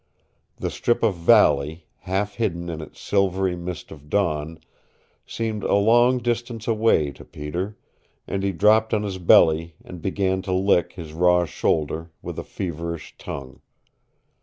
The strip of valley, half hidden in its silvery mist of dawn, seemed a long distance away to Peter, and he dropped on his belly and began to lick his raw shoulder with a feverish tongue.